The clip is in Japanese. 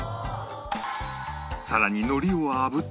さらに海苔を炙って